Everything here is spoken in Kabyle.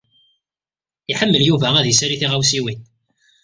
Iḥemmel Yuba ad isali tiɣawsiwin.